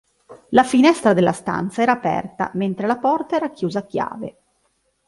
La finestra della stanza era aperta mentre la porta era chiusa a chiave.